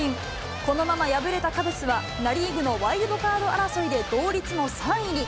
このまま敗れたカブスは、ナ・リーグのワイルドカード争いで同率の３位に。